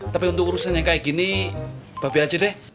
tapi untuk urusan yang kayak gini babi aja deh